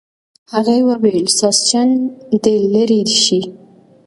هغه وویل ساسچن دې لرې شي.